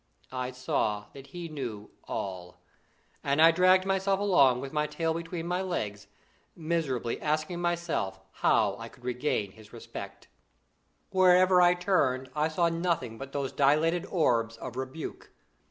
I saw that he knew all; and I dragged myself along with my tail between my legs, miserably asking myself how I could regain his respect. [Illustration: "THE INFANT."] "Wherever I turned I saw nothing but those dilated orbs of rebuke.